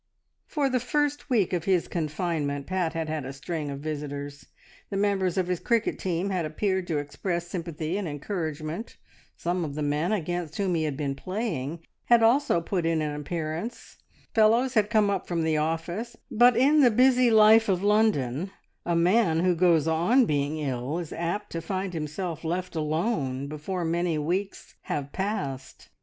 For the first week of his confinement Pat had had a string of visitors. The members of his cricket team had appeared to express sympathy and encouragement; some of the men against whom he had been playing had also put in an appearance; "fellows" had come up from "the office," but in the busy life of London a man who goes on being ill is apt to find himself left alone before many weeks have passed.